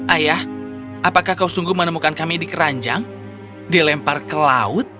ayah apakah kau sungguh menemukan kami di keranjang dilempar ke laut